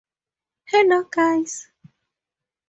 Hello guys